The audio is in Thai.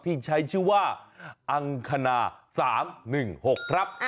ที่ใช้ชื่อว่าอังคณา๓๑๖ครับ